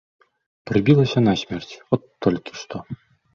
Прыбілася насмерць, от толькі што.